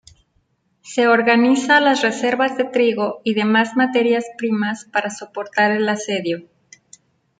Se organiza las reservas de trigo y demás materias primas para soportar el asedio.